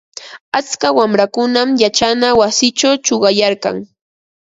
Atska wamrakunam yachana wasichaw chuqayarkan.